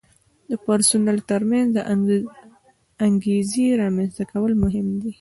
د پرسونل ترمنځ د انګیزې رامنځته کول مهم دي.